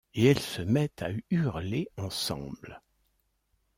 Et elles se mettent à hurler ensemble.